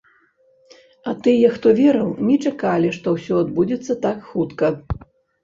А тыя, хто верыў, не чакалі, што ўсё адбудзецца так хутка.